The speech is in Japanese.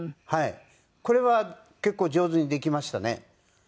これは結構上手にできましたね。